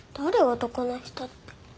男の人って。